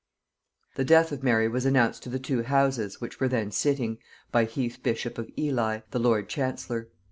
"] The death of Mary was announced to the two houses, which were then sitting, by Heath bishop of Ely, the lord chancellor.